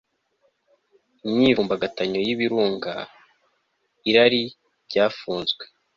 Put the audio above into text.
Imyivumbagatanyo yibirunga irari ryafunzwe